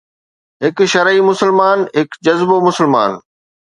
هڪ شرعي مسلمان، هڪ جذبو مسلمان